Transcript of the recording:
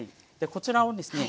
こちらをですね